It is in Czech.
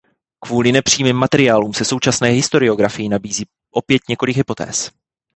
Kvůli nepřímým materiálům se současné historiografii nabízí opět několik hypotéz.